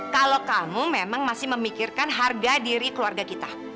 kalau kamu memang masih memikirkan harga diri keluarga kita